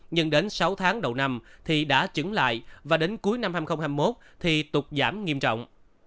nhưng đến sáu tháng đầu năm thì đã chứng lại và đến cuối năm hai nghìn hai mươi một thì tục giảm nghiêm trọng